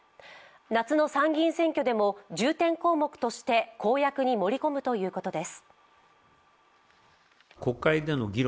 夏の参議院選挙でも重点項目として公約に盛り込むということです。